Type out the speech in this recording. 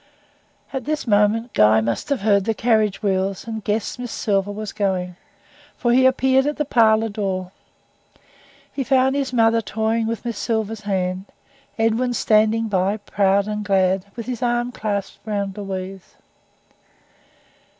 At this moment, Guy must have heard the carriage wheels and guessed Miss Silver was going, for he appeared at the parlour door. He found his mother toying with Miss Silver's hand; Edwin standing by, proud and glad, with his arm clasped round Louise.